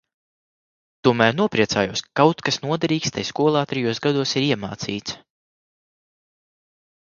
Tomēr nopriecājos, ka kaut kas noderīgs tai skolā trijos gados ir iemācīts.